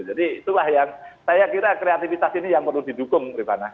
jadi itulah yang saya kira kreativitas ini yang perlu didukung rifana